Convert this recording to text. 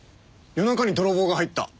夜中に泥棒が入った。